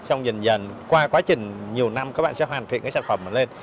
xong dần dần qua quá trình nhiều năm các bạn sẽ hoàn thiện cái sản phẩm này lên